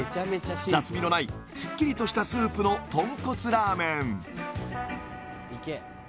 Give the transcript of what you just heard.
雑味のないすっきりとしたスープの豚骨ラーメン